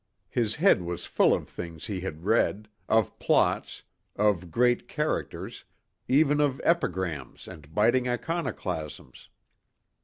His head was full of things he had read, of plots, of great characters, even of epigrams and biting iconoclasms.